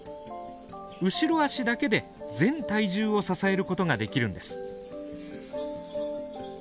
後ろ足だけで全体重を支えることができるんです。